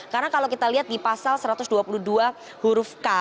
karena kalau kita lihat di pasal satu ratus dua puluh dua huruf k